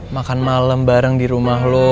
makan malam bareng di rumah lo